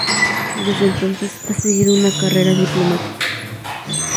Desde entonces, ha seguido una carrera diplomática.